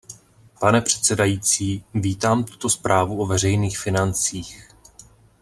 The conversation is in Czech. Pane předsedající, vítám tuto zprávu o veřejných financích.